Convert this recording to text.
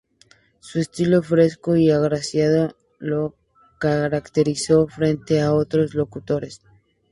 Su estilo fresco y agraciado lo caracterizó frente a otros locutores.